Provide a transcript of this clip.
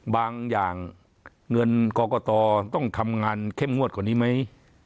บางอย่างเงินกรกตต้องทำงานเข้มงวดกว่านี้ไหม